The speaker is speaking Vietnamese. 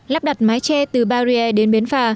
lắp đặt mái tre từ barrier đến biến phà